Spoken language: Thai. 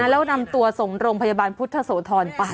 แล้วนำตัวส่งโรงพยาบาลพุทธโสธรไป